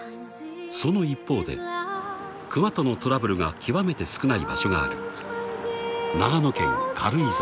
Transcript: ［その一方でクマとのトラブルが極めて少ない場所がある］